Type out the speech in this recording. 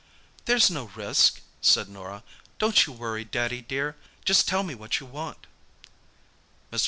"There's no risk," said Norah. "Don't you worry, Daddy, dear. Just tell me what you want." Mr.